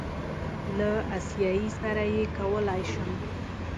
له آسیایي سره یې کولی شم.